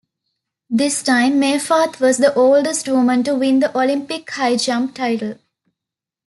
This time, Meyfarth was the oldest woman to win the Olympic high jump title.